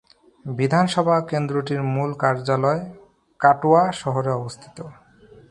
বিধানসভা কেন্দ্রটির মূল কার্যালয় কাটোয়া শহরে অবস্থিত।